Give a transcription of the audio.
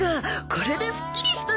これですっきりしたよ。